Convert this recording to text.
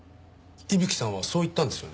伊吹さんはそう言ったんですよね？